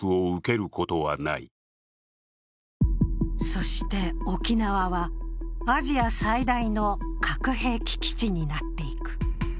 そして沖縄は、アジア最大の核兵器基地になっていく。